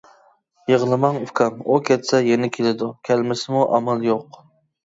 يىغلىماڭ ئۇكام، ئۇ كەتسە يەنە كېلىدۇ، كەلمىسىمۇ ئامال يوق.